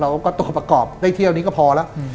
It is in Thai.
ตัวประกอบได้เที่ยวนี้ก็พอแล้ว